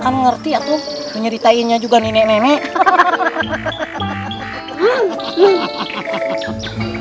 ngerti atau menceritainnya juga nih nenek